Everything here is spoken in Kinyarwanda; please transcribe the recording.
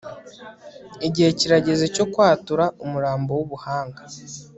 Igihe kirageze cyo kwatura Umurambo wubuhanga